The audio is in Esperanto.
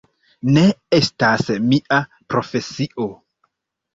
Ne estas mia profesio.